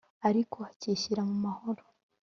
ariko ‘akishyira mu mahoro’